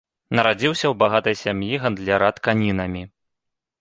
Нарадзіўся ў багатай сям'і гандляра тканінамі.